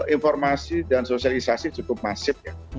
informasi dan sosialisasi cukup masif ya